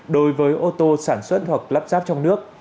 đối với ô tô sản xuất hoặc lắp ráp trong nước